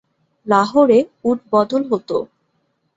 লাহোরে উট বদল হতো।